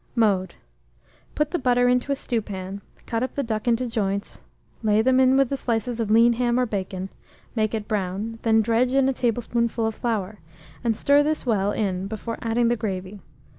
Mode. Put the butter into a stewpan; cut up the duck into joints, lay them in with the slices of lean ham or bacon; make it brown, then dredge in a tablespoonful of flour, and stir this well in before adding the gravy.